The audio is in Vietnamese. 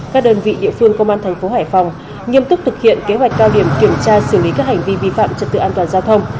các đơn vị địa phương công an thành phố hải phòng nghiêm túc thực hiện kế hoạch cao điểm kiểm tra xử lý các hành vi vi phạm trật tự an toàn giao thông